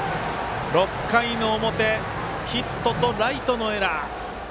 ６回の表ヒットとライトのエラー。